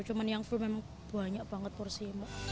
cuma yang full memang banyak banget porsi